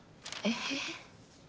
えっ？